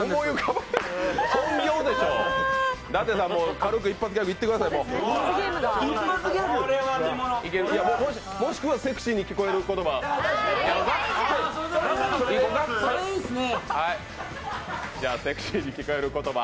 もしくはセクシーに聞こえる言葉。